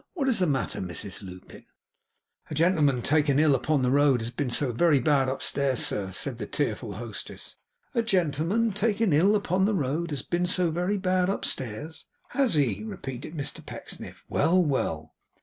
What is the matter, Mrs Lupin?' 'A gentleman taken ill upon the road, has been so very bad upstairs, sir,' said the tearful hostess. 'A gentleman taken ill upon the road, has been so very bad upstairs, has he?' repeated Mr Pecksniff. 'Well, well!